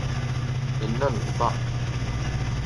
Nella nebṭa.